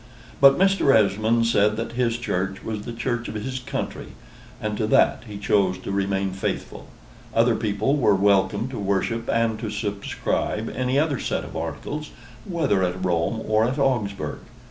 But Mr. Esmond said that his church was the church of his country, and to that he chose to remain faithful: other people were welcome to worship and to subscribe any other set of articles, whether at Rome or at Augsburg.